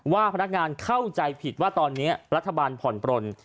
ว่าพนักงานเข้าใจผิดว่าตอนนี้รัฐบาลผ่อนปลน